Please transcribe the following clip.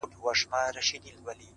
تر ښایست دي پر آواز باندي مین یم-